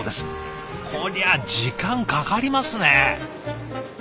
こりゃ時間かかりますね。